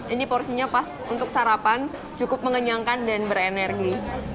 ini porsinya pas untuk sarapan cukup mengenyangkan dan berenergi